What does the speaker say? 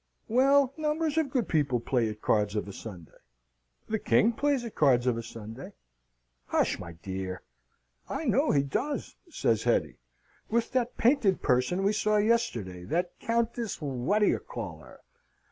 "Well, numbers of good people play at cards of a Sunday. The King plays at cards of a Sunday." "Hush, my dear!" "I know he does," says Hetty, "with that painted person we saw yesterday that Countess what d'you call her?"